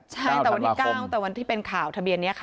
ใช่แต่วันที่๙แต่วันที่เป็นข่าวทะเบียนนี้ค่ะ